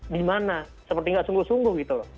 di mana seperti nggak sungguh sungguh gitu loh